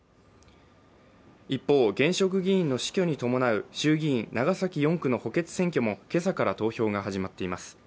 一方、現職議員の死去に伴う衆議院長崎４区の補欠選挙も今朝から投票が始まっています。